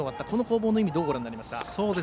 この攻防の意味をどうご覧になりますか。